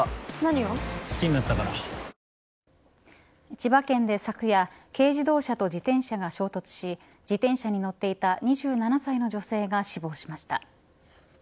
千葉県で昨夜軽自動車と自転車が衝突し自転車に乗っていた２７歳の女性が死亡しました。